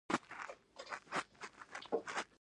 دا هغه متفکران دي چې نوي کلام بنسټ به کېږدي.